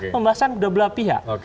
pembahasan dua pihak